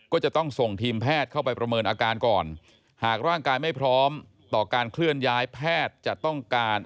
ก็จะต้องส่งทีมแพทย์เข้าไปประเมินอาการก่อนหากร่างกายไม่พร้อมต่อการเคลื่อนย้ายแพทย์จะต้องการ